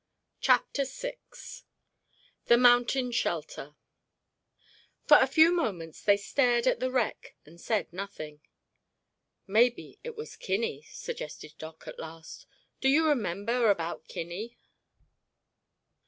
CHAPTER VI THE MOUNTAIN SHELTER For a few moments they stared at the wreck and said nothing. "Maybe it was Kinney," suggested Doc, at last. "Do you remember about Kinney?"